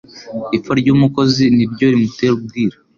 Ipfa ry’umukozi ni ryo rimutera ubwira